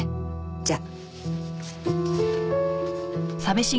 じゃあ。